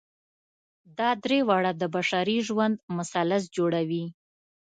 دا درې واړه د بشري ژوند مثلث جوړوي.